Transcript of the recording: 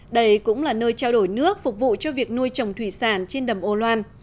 đây cũng là nơi trao đổi nước phục vụ cho việc nuôi trồng thủy sản trên đầm âu loan